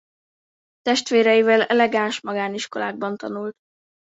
Testvéreivel elegáns magániskolákban tanult.